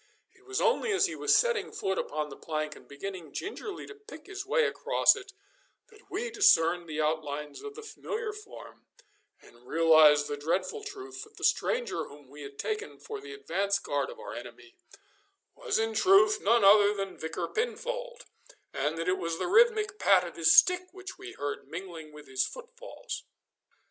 It was only as he was setting foot upon the plank and beginning gingerly to pick his way across it, that we discerned the outlines of the familiar form, and realised the dreadful truth that the stranger whom we had taken for the advance guard of our enemy was in truth none other than Vicar Pinfold, and that it was the rhythmic pat of his stick which we heard mingling with his footfalls.